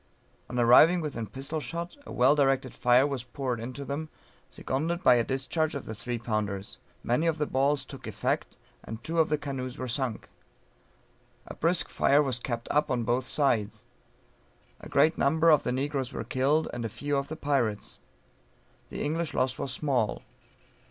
On arriving within pistol shot a well directed fire was poured into them, seconded by a discharge of the three pounders; many of the balls took effect, and two of the canoes were sunk. A brisk fire was kept up on both sides; a great number of the negroes were killed, and a few of the pirates; the English loss was small.